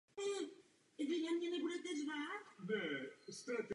Kapalné látky mají molekuly slabě vázané.